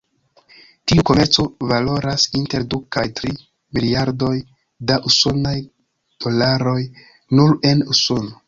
Tiu komerco valoras inter du kaj tri miliardoj da usonaj dolaroj nur en Usono.